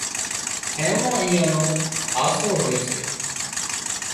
اين مان ايئان نو آسرو هوئي سي